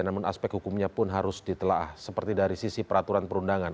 namun aspek hukumnya pun harus ditelah seperti dari sisi peraturan perundangan